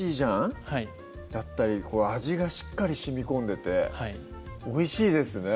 はいだったり味がしっかりしみこんでておいしいですね